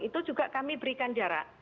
itu juga kami berikan jarak